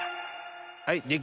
はい。